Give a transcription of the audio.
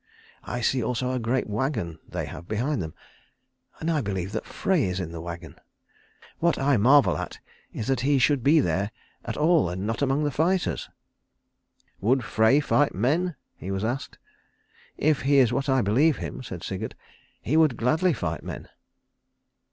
"I see also a great wagon they have behind them. And I believe that Frey is in the wagon. What I marvel at is that he should be there at all and not among the fighters." "Would Frey fight men?" he was asked. "If he is what I believe him," said Sigurd, "he would gladly fight men."